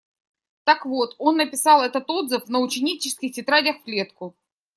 Так вот он написал этот отзыв на ученических тетрадях в клетку.